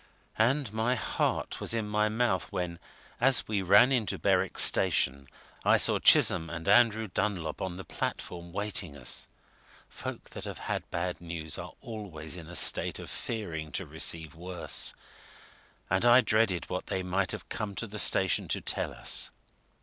And my heart was in my mouth when, as we ran into Berwick station, I saw Chisholm and Andrew Dunlop on the platform waiting us. Folk that have had bad news are always in a state of fearing to receive worse, and I dreaded what they might have come to the station to tell us.